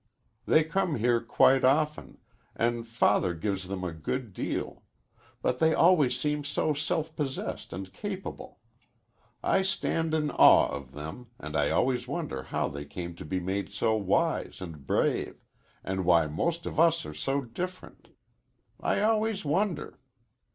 "They come here quite often, and Father gives them a good deal. But they always seem so self possessed and capable. I stand in awe of them, and I always wonder how they came to be made so wise and brave, and why most of us are so different. I always wonder."